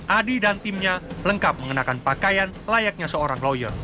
adi dan timnya lengkap mengenakan pakaian layaknya seorang lawyer